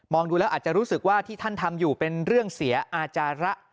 ดูแล้วอาจจะรู้สึกว่าที่ท่านทำอยู่เป็นเรื่องเสียอาจาระ